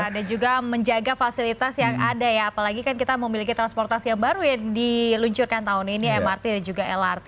dan juga menjaga fasilitas yang ada ya apalagi kan kita memiliki transportasi yang baru yang diluncurkan tahun ini mrt dan juga lrt